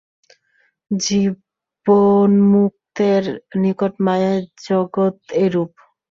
জীবন্মুক্তের নিকট মায়ার জগৎ এইরূপ।